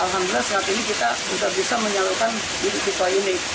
alhamdulillah saat ini kita bisa menyalurkan juta juta ini